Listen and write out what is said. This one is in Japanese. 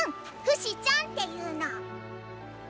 フシちゃんっていうの！